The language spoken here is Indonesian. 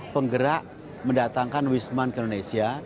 penggerak mendatangkan wisman ke indonesia